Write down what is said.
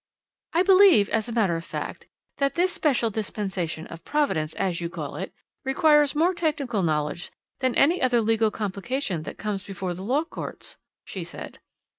"I believe, as a matter of fact, that this special dispensation of Providence, as you call it, requires more technical knowledge than any other legal complication that comes before the law courts," she said.